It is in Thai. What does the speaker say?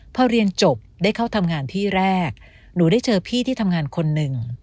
พอเรียนจบได้เข้าทำงานที่แรกหนูได้เจอพี่ที่ทำงานคนหนึ่ง